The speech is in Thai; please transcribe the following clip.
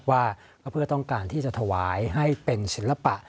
ว่าก็เพื่อต้องการที่จะถวายให้เป็นศิลปะ